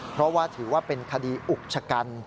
เพราะว่าถือว่าเป็นคดีอุกชะกัน